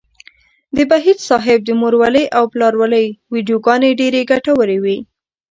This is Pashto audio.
د بهيج صاحب د مورولۍ او پلارولۍ ويډيوګانې ډېرې ګټورې وې.